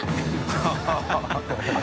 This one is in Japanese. ハハハ